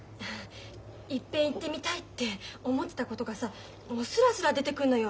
いっぺん言ってみたいって思ってたことがさもうスラスラ出てくんのよ。